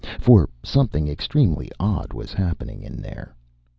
For something extremely odd was happening in there.